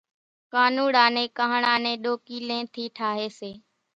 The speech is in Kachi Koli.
ڪانوڙا نين ڪانۿڙا نين ڏوڪيلين ٿي ٺاھي سي